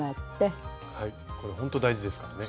これほんと大事ですからね。